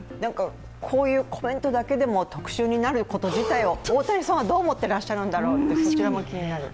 こういうコメントだけでも特集になること自体を大谷さんはどう思ってらっしゃるんだろうと、そちらも気になる。